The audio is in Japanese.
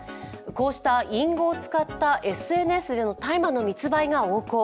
こうした隠語を使ったＳＮＳでの大麻の密売が横行。